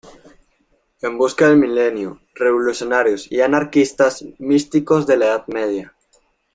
En busca del milenio: Revolucionarios y anarquistas místicos de la Edad Media.